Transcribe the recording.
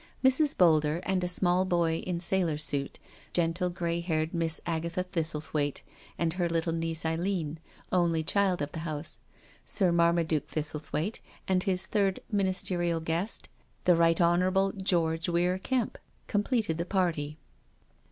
Mrs. Boulder and a small boy in sailor suit, gentle grey haired Miss Agatha Thistle thwaite and her little niece Eileen — only child of the house — Sir Marmaduke Thistlethwaite and his third Ministerial guest, the Right Honourable George Weir Kemp, completed the party.